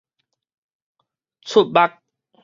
眵目